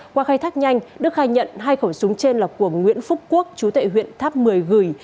qua khai thác nhanh đức khai nhận hai khẩu súng trên là của nguyễn phúc quốc chú tệ huyện tháp một mươi gửi